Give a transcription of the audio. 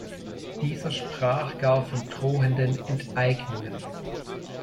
Dieser sprach gar von drohenden Enteignungen.